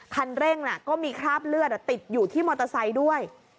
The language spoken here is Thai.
คันเร่งก็มีคราบเลือดติดอยู่ที่มอเตอร์ไซค์ด้วย